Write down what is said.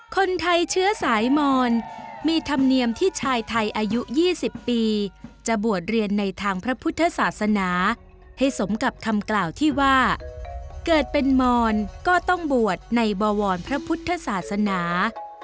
คนไทยเชื้อสายมอนมีธรรมเนียมที่ชายไทยอายุ๒๐ปีจะบวชเรียนในทางพระพุทธศาสนาให้สมกับคำกล่าวที่ว่าเกิดเป็นมอนก็ต้องบวชในบวรพระพุทธศาสนา